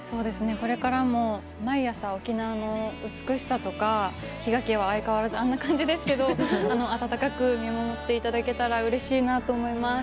これからも毎朝沖縄の美しさとか比嘉家は相変わらずあんな感じですけれど温かく見守っていただけたらうれしいなと思います。